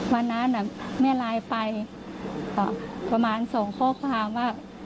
วันนั้นแม่ไลน์ไปประมาณส่งข้อความว่า